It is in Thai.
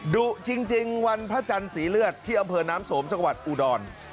ดุจริงวันพระจันทร์สีเลือดที่อำเภอน้ำสมจังหวัดอุดร